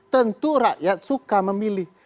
tentu rakyat suka memilih